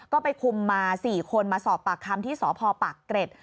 ก็ไปคุมมา๔คนมาสอบปากคำที่สพปากเกร็ด